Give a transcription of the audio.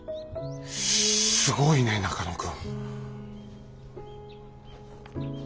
すごいね中野君。